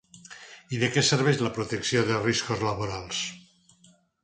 I de què serveix la protecció de riscos laborals?